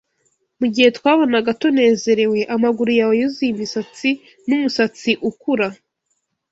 mugihe twabonaga tunezerewe amaguru yawe yuzuye imisatsi n'umusatsi ukura